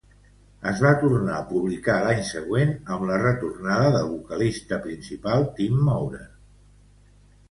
Es va tornar a publicar l"any següent amb la retornada del vocalista principal Tim Maurer.